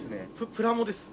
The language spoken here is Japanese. プラモです。